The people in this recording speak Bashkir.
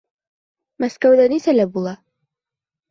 Мәскәүҙә нисәлә була?